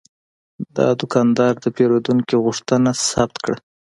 دا دوکاندار د پیرودونکي غوښتنه ثبت کړه.